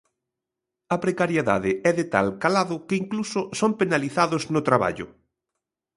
A precariedade é de tal calado que incluso son penalizados no traballo.